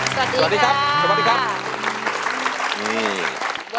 สวัสดีครับ